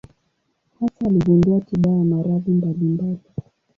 Hasa aligundua tiba ya maradhi mbalimbali.